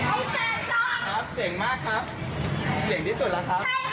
ทำไมไปวาบมันอยู่ในมักระจอก